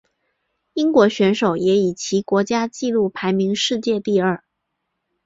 英国选手也以其国家纪录排名世界第二。